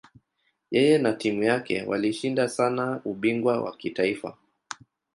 Yeye na timu yake walishinda sana ubingwa wa kitaifa.